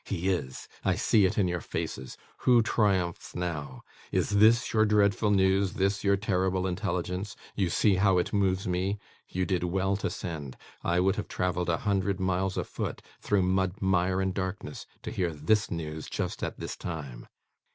He is! I see it in your faces. Who triumphs now? Is this your dreadful news; this your terrible intelligence? You see how it moves me. You did well to send. I would have travelled a hundred miles afoot, through mud, mire, and darkness, to hear this news just at this time.